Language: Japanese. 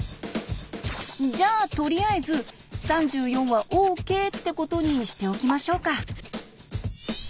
じゃあとりあえず３４はＯＫってことにしておきましょうか。